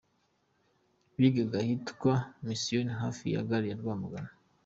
Bigaga ahitwa Misiyoni hafi ya gare ya Rwamagana.